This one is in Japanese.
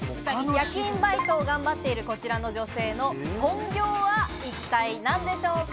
夜勤バイトを頑張っているこちらの女性の本業は一体何でしょうか？